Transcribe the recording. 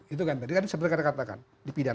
itu kan tadi seperti kata kata kan dipidahkan